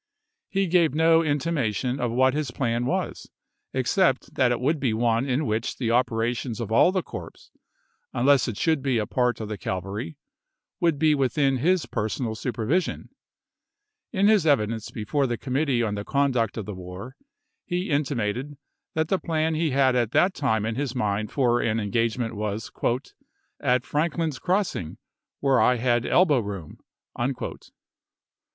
He gave no intimation of what his plan vol. xxv., was, except that it would be one in which the Part II. p. 438." operations of all the corps; unless it should be a part of the cavalry, would be within his personal supervision. In his evidence before the Committee Eeport on ^ne Conduct of the War he intimated that the onTouduct plan ne nad at that time in his mind for an engage war*i865. ment was "at Franklin's Crossing, where I had P.° 134.' elbow room." May, 1863.